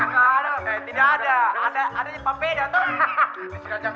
tidak ada ada nipah beda tuh